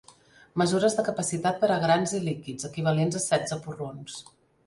Mesures de capacitat per a grans i líquids, equivalents a setze porrons.